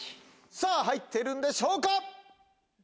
さぁ入ってるんでしょうか？